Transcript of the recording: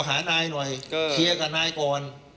หานายหน่อยเคลียร์กับนายก่อน